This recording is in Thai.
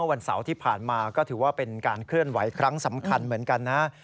วันเสาร์ที่ผ่านมาก็ถือว่าเป็นการเคลื่อนไหวครั้งสำคัญเหมือนกันนะ